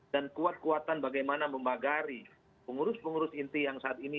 dan kuat kuatan bagaimana memagari pengurus pengurus inti yang saat ini